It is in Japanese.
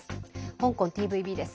香港ＴＶＢです。